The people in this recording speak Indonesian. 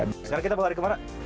sekarang kita mau lari kemana